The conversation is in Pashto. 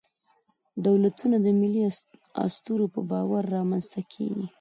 دولتونه د ملي اسطورو په باور رامنځ ته کېږي.